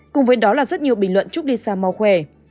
cùng với đó là rất nhiều bình luận chúc lisa mau khỏe